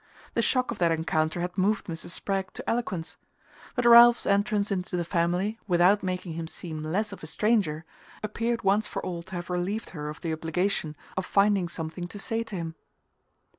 The shock of that encounter had moved Mrs. Spragg to eloquence; but Ralph's entrance into the family, without making him seem less of a stranger, appeared once for all to have relieved her of the obligation of finding something to say to him.